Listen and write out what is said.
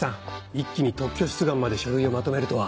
一気に特許出願まで書類をまとめるとは。